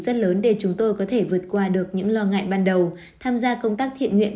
rất lớn để chúng tôi có thể vượt qua được những lo ngại ban đầu tham gia công tác thiện nguyện